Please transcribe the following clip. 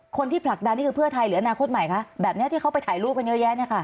ผลักดันนี่คือเพื่อไทยหรืออนาคตใหม่คะแบบนี้ที่เขาไปถ่ายรูปกันเยอะแยะเนี่ยค่ะ